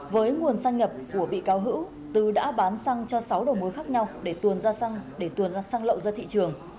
với nguồn xăng nhập của bị cáo hữu tứ đã bán xăng cho sáu đầu mối khác nhau để tuồn ra xăng lậu ra thị trường